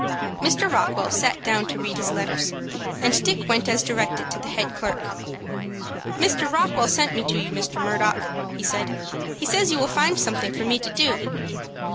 Mr. Rockwell sat down to read his letters, and Dick went as directed to the head clerk. "Mr. Rockwell sent me to you, Mr. Murdock," he said. "He says you will find something for me to do."